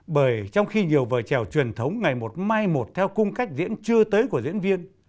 bởi trong khi nhiều vở trèo truyền thống ngày một mai một theo cung cách diễn chưa tới của diễn viên